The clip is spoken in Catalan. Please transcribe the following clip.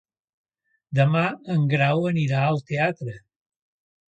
Demà en Grau anirà al teatre.